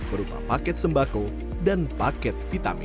berupa paket sembako dan paket vitamin